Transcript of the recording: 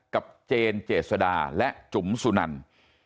กับเจนเจษดาและจุ๋มสุนันดิ์